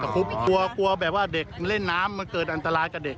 กลัวกลัวแบบว่าเด็กเล่นน้ำมันเกิดอันตรายกับเด็ก